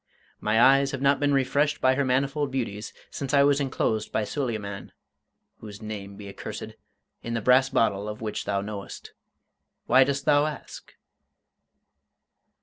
"My eyes have not been refreshed by her manifold beauties since I was enclosed by Suleyman whose name be accursed in the brass bottle of which thou knowest. Why dost thou ask?"